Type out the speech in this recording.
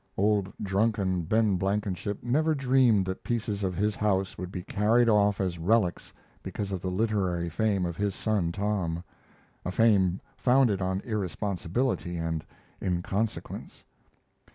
Old drunken Ben Blankenship never dreamed that pieces of his house would be carried off as relics because of the literary fame of his son Tom a fame founded on irresponsibility and inconsequence.